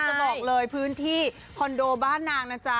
บอกเลยพื้นที่คอนโดบ้านนางนะจ๊ะ